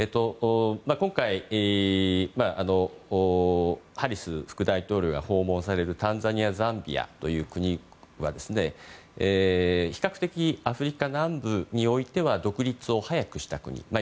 今回、ハリス副大統領が訪問されるタンザニア、ザンビアという国は比較的、アフリカ南部においては独立を早くした国。